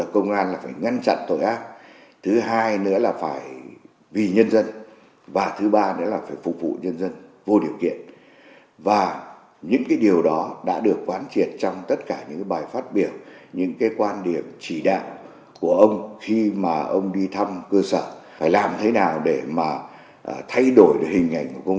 công an thế nào để thay đổi hình ảnh của công an